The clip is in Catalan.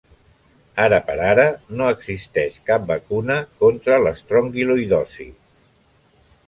Ara per ara, no existeix cap vacuna contra l'estrongiloïdosi.